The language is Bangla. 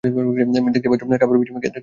দেখতেই পাচ্ছ, কাপড় ভিজিয়ে ফেলেছি।